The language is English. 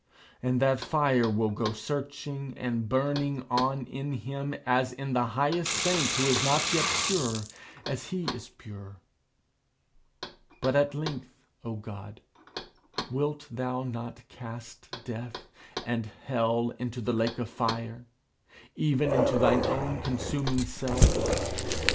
And that fire will go searching and burning on in him, as in the highest saint who is not yet pure as he is pure. But at length, O God, wilt thou not cast Death and Hell into the lake of Fire even into thine own consuming self?